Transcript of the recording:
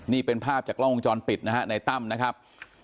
นี่เป็นภาพจากกล้องวงจรปิดนะฮะในตั้มนะครับ